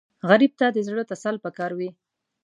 غریب ته د زړه تسل پکار وي